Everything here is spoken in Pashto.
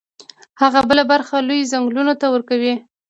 هغه بله برخه لوی ځمکوال ته ورکوي